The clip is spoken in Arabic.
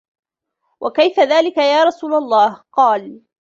وَكَيْفَ ذَلِكَ يَا رَسُولَ اللَّهِ ؟ قَالَ